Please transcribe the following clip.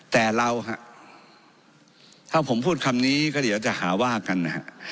แต่เราฮะถ้าผมพูดคำนี้ก็เดี๋ยวจะหาว่ากันนะฮะ